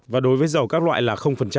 và đối với dầu các loại là